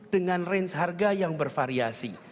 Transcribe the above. dengan range harga yang bervariasi